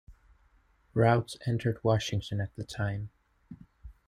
Routes entered Washington at the time.